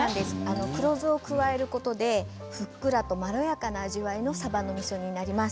黒酢を加えることでふっくらとまろやかな味わいのさばのみそ煮になります。